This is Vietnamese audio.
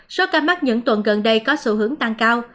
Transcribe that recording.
do ca mắc những tuần gần đây có sự hướng tăng cao